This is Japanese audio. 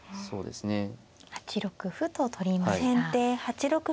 そうですね８